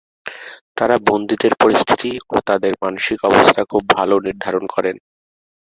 তারা বন্দীদের পরিস্থিতি ও তাদের মানসিক অবস্থা খুব ভালো নির্ধারণ করেন।